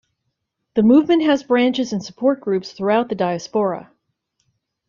The movement has branches and support groups throughout the diaspora.